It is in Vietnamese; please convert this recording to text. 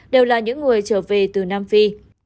đều là những người trở về từ nam phi